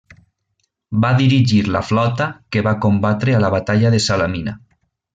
Va dirigir la flota que va combatre a la batalla de Salamina.